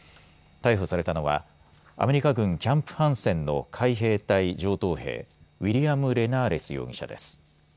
逮捕されたのはアメリカ軍キャンプハンセンの海兵隊上等兵、ウィリアム・レナーレス容疑者です。